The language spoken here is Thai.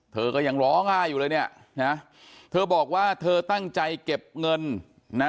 เธอก็ยังร้องไห้อยู่เลยเนี่ยนะเธอบอกว่าเธอตั้งใจเก็บเงินนะ